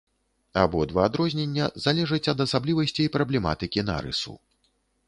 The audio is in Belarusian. Абодва адрознення залежаць ад асаблівасцей праблематыкі нарысу.